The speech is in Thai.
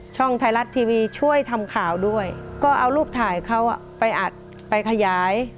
ไทยรัฐทีวีช่วยทำข่าวด้วยก็เอารูปถ่ายเขาไปอัดไปขยาย